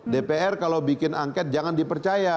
dpr kalau bikin angket jangan dipercaya